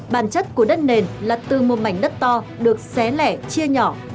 bản chất của đất nền là từ một mảnh đất to được xé lẻ chia nhỏ